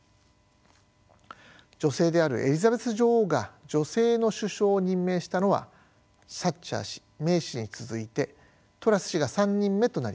女性であるエリザベス女王が女性の首相を任命したのはサッチャー氏メイ氏に続いてトラス氏が３人目となります。